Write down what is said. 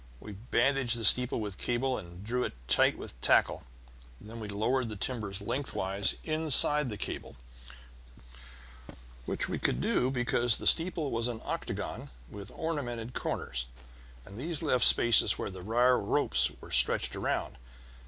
We bandaged the steeple with the cable and drew it tight with tackle. Then we lowered the timbers lengthwise inside the cable, which we could do because the steeple was an octagon with ornamented corners, and these left spaces where the wire rope was stretched around.